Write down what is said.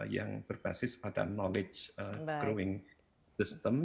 yang berbasis pada knowledge growing system